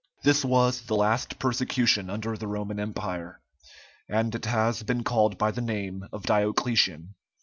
This was the last persecution under the Roman Empire, and it has been called by the name of Diocletian.